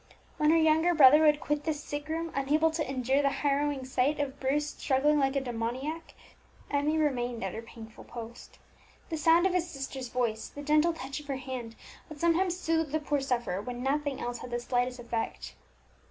When her younger brother would quit the sick room, unable to endure the harrowing sight of Bruce struggling like a demoniac, Emmie remained at her painful post. The sound of his sister's voice, the gentle touch of her hand, would sometimes soothe the poor sufferer when nothing else had the slightest effect.